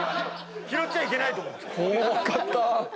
拾っちゃいけないと思った。